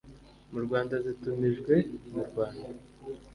mu Rwanda zitumijwe mu rwanda